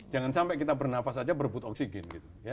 jangan sampai kita bernafas saja berebut oksigen